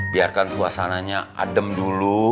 biarkan suasananya adem dulu